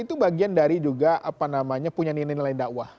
itu bagian dari juga apa namanya punya nilai nilai dakwah